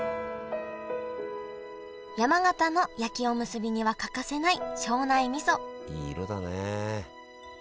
山形の焼きおむすびには欠かせない庄内みそいい色だね。